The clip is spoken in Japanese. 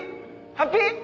ハッピー？